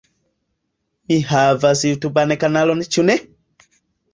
Vi havas jutuban kanalon ĉu ne?